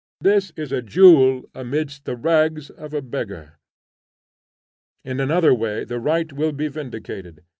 This is a jewel amidst the rags of a beggar. In another way the right will be vindicated.